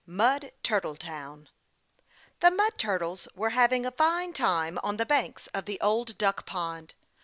MUD TURTLE TOWN THE Mud Turtles were having a fine time on the banks of the Old Duck Pond.